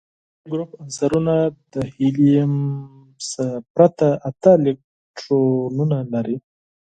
د دې ګروپ عنصرونه د هیلیم څخه پرته اته الکترونونه لري.